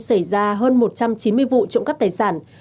xảy ra hơn một trăm chín mươi vụ trộm cắp tài sản